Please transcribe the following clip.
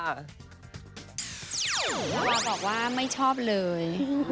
นาวาบอกว่าไม่ชอบเลย